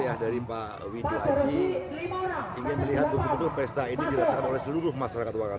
ya dari pak widu haji ingin melihat betul betul pesta ini dirasakan oleh seluruh masyarakat wakar